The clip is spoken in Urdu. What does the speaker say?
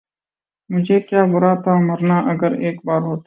مجھے کیا برا تھا مرنا اگر ایک بار ہوتا